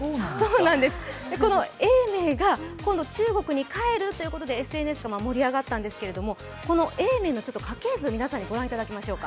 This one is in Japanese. この永明が今度、中国に帰るということでＳＮＳが盛り上がったんですけどこの永明の家系図をご覧いただきましょうか。